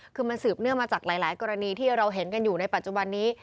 คือมันสืบเนื่องมาจากหลายกรณีที่เราเห็นกันอยู่ในปัจจุบันนี้